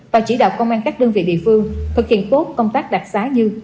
và chỉ đạo công an các đơn vị địa phương thực hiện tốt công tác đặc xá như